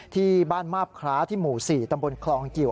ที่บ้านมาบคล้าที่หมู่๔ตำบลคลองกิว